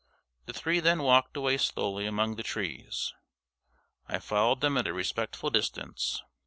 The three then walked away slowly among the trees. I followed them at a respectful distance.